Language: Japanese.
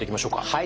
はい。